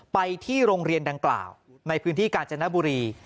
ไปที่โรงเรียนดังกล่าวในพื้นที่กาญจนบุรี